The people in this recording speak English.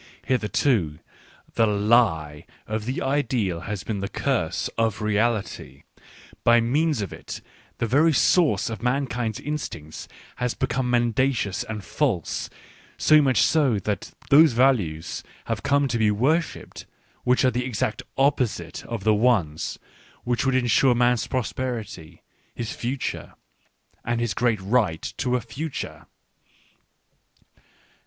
... Hitherto the lie of the ideal has been the curse of reality ; by means of it the very source of mankind's instincts has be come mendacious and false; so much so that those values have come to be worshipped which are the exact opposite of the ones which would ensure man's prosperity, his future, and his great right to a future.